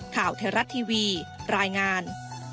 ข่าวเทราะท์ทีวีรายงาน